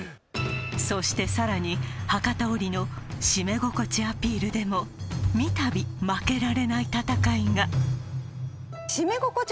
そしてさらに博多織の締め心地アピールでも三たび負けられない戦いが締め心地